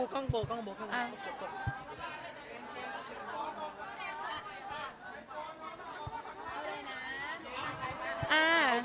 เอาเลยนะ